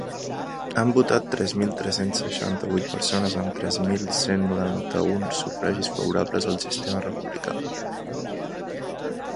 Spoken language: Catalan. Han votat tres mil tres-cents seixanta-vuit persones amb tres mil cent noranta-un sufragis favorables al sistema republicà.